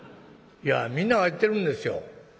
いやみんなが言ってるんですよ」。